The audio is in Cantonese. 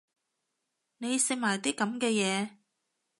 你食埋啲噉嘅嘢